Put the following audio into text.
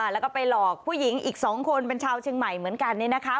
แล้วก็ไปหลอกผู้หญิงอีก๒คนเป็นชาวเชียงใหม่เหมือนกันเนี่ยนะคะ